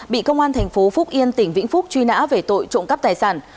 bị công an thành phố phúc yên tỉnh vĩnh phúc truy nã về tội trộm cắp tài sản